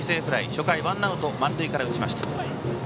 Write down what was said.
初回、ワンアウト満塁から打ちました。